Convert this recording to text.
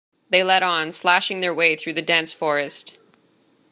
They led on, slashing their way through the dense forest.